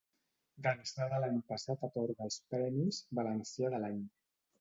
D'ençà de l'any passat atorga els premis "Valencià de l'any".